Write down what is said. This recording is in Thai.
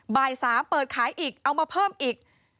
บ่าย๓เปิดขายอีกเอามาเพิ่มอีก